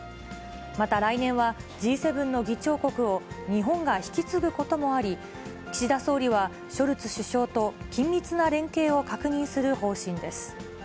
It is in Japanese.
また、来年はＧ７の議長国を日本が引き継ぐこともあり、岸田総理はショルツ首相と緊密な連携を確認する方針です。